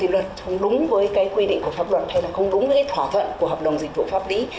vì việc nhận tiền của công ty luật không đúng với quy định của pháp luật hay không đúng với thỏa thuận của hợp đồng dịch vụ pháp lý